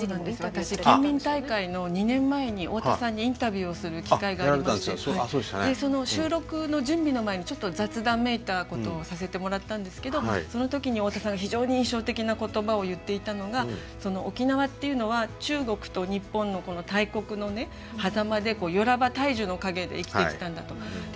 私県民大会の２年前に大田さんにインタビューをする機会がありましてその収録の準備の前にちょっと雑談めいたことをさせてもらったんですけどその時に大田さんが非常に印象的な言葉を言っていたのが「沖縄っていうのは中国と日本の大国のはざまで『寄らば大樹の陰』で生きてきたんだ」と。